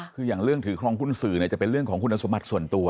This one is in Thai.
คืออย่างเรื่องถือครองหุ้นสื่อจะเป็นเรื่องของคุณสมบัติส่วนตัว